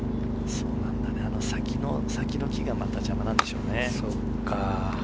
先の木が邪魔なんでしょうね。